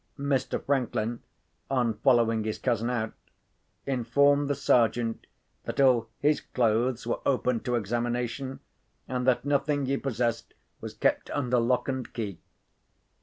Mr. Franklin, on following his cousin out, informed the Sergeant that all his clothes were open to examination, and that nothing he possessed was kept under lock and key.